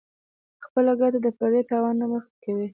خپله ګټه د پردي تاوان نه مخکې کوي -